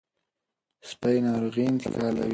سپي ناروغي انتقالوي.